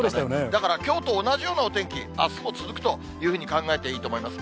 だからきょうと同じようなお天気、あすも続くというふうに考えていいと思います。